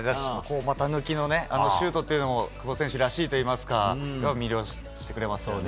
股抜きのあのシュートっていうのも久保選手らしいといいますか魅了してくれますよね。